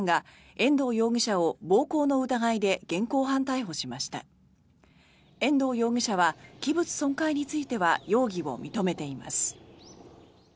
遠藤容疑者は器物損壊については容疑を認めています。